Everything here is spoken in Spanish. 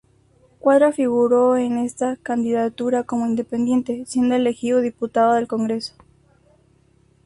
Cuadra figuró en esta candidatura como independiente, siendo elegido Diputado del Congreso.